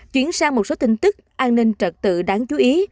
chuyển sang một số tin tức an ninh trật tự đáng chú ý